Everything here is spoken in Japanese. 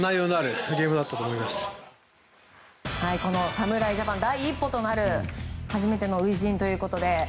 侍ジャパン第一歩となる初めての初陣ということで。